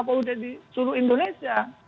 kpu dkpu dgpu dan dgpu di seluruh indonesia